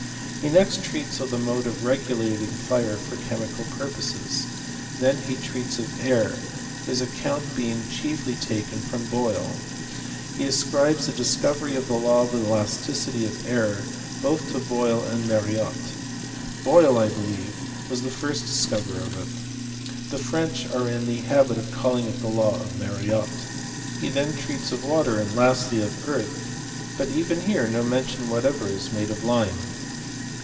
He next treats of the mode of regulating fire for chemical purposes : then he treats of air, liis account being chiefly taken from Boyle. He ascribes the dis covery of the law of the elasticity of air both to Boyle and Mariotte. Boyle, 1 believe, was the (irst discoverer of it. The French are in the habit of calling it the law of Mariotte. He then treats of water, and lastly of earth ; but even here no mention whatever is made of lime.